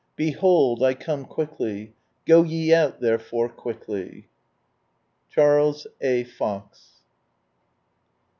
" Behold I come quickly !— Go ye out therefore quickly !" CHARLES A, FOX.